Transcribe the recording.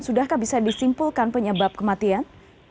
sudahkah bisa disimpulkan penyebab kematian